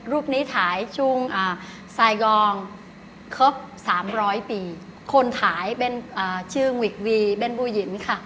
ลูกนี้ถ่ายจุงไซกองครบ๓๐๐ปีคนถ่ายเป็นชื่อวิกวีเป็นผู้หญิงค่ะ